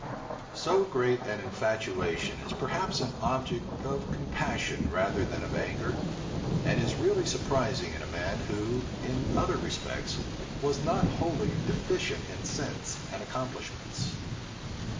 So great an infatuation is perhaps an object of compassion rather than of anger; and is really surprising in a man who, in other respects, was not wholly deficient in sense and accomplishments.